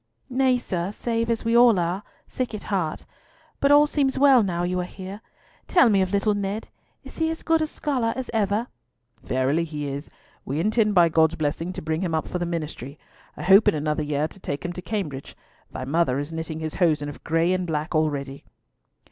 "Nay, sir, save as we all are—sick at heart! But all seems well now you are here. Tell me of little Ned. Is he as good scholar as ever?" "Verily he is. We intend by God's blessing to bring him up for the ministry. I hope in another year to take him to Cambridge. Thy mother is knitting his hosen of gray and black already."